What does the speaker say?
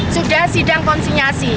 sudah sidang konsinyasi